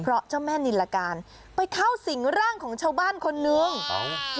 เพราะเจ้าแม่นิลการไปเข้าสิ่งร่างของชาวบ้านคนนึง